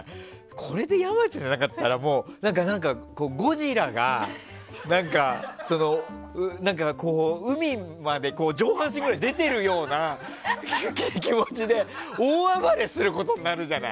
これで山ちゃんじゃなかったらゴジラが海まで上半身くらい出てるような気持ちで大暴れすることになるんだから。